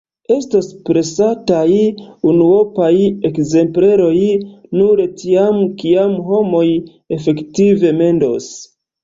Estos presataj unuopaj ekzempleroj nur tiam, kiam homoj efektive mendos.